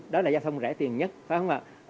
đó là giao thông rẻ tiền nhất phải không ạ